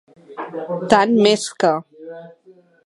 Tant més que.